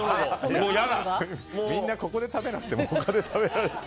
みんなここで食べなくても他で食べられる。